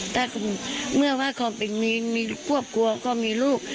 แต่เมื่อว่าเขาเป็นมีควบกลัวก็มีลูก